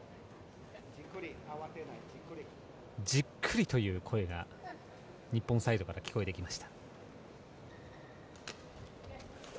じっくりという声が日本サイドから聞こえてきます。